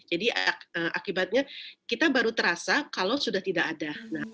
jadi akibatnya kita baru terasa kalau sudah tidak ada